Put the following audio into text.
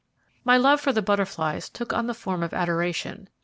My love for the butterflies took on the form of adoration.